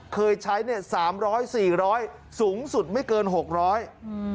เคยใช้เนี่ยสามร้อยสี่ร้อยสูงสุดไม่เกินหกร้อยอืม